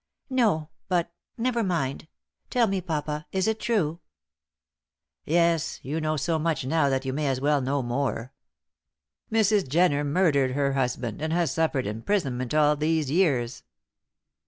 "No; but never mind. Tell me, papa, is it true?" "Yes. You know so much now that you may as well know more. Mrs. Jenner murdered her husband and has suffered imprisonment all these years."